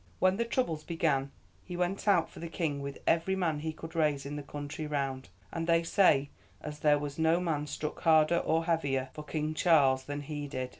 When the troubles began he went out for the King with every man he could raise in the country round, and they say as there was no man struck harder or heavier for King Charles than he did.